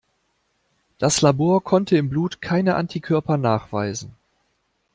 Das Labor konnte im Blut keine Antikörper nachweisen.